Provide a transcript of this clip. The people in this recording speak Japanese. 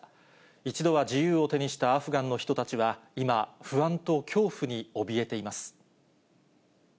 一度は自由を手にしたアフガンの人たちは今、不安と恐怖におびえています。